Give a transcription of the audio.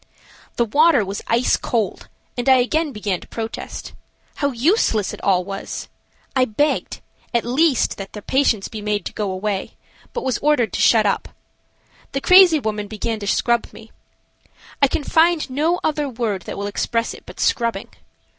The water was ice cold, and I again began to protest. How useless it all was! I begged, at least, that the patients be made to go away, but was ordered to shut up. The crazy woman began to scrub me. I can find no other word that will express it but scrubbing.